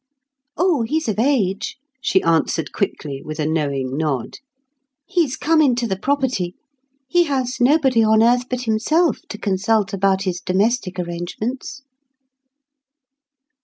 "Oh, he's of age," she answered quickly, with a knowing nod. "He's come into the property; he has nobody on earth but himself to consult about his domestic arrangements."